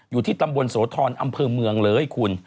อยู่ที่ตำบลโสธรอำเภอเมืองเลยคุณ